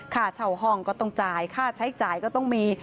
ค่าเช่าห้องก็ต้องจ่ายค่าใช้จ่ายก็ต้องมี